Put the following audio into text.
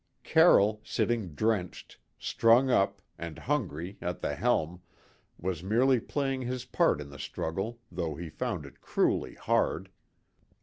Carroll, sitting drenched, strung up, and hungry, at the helm, was merely playing his part in the struggle, though he found it cruelly hard.